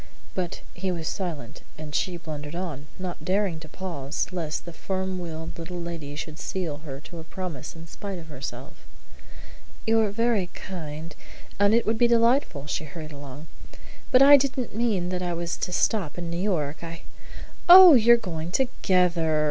But he was silent, and she blundered on, not daring to pause lest the firm willed little lady should seal her to a promise in spite of herself. "You're very kind, and it would be delightful," she hurried along, "but I didn't mean that I was to stop in New York. I " "Oh, you are going together!"